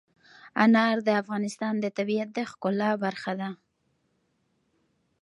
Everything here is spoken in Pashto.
انار د افغانستان د طبیعت د ښکلا برخه ده.